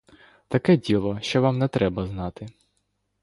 Таке діло, що вам не треба знати.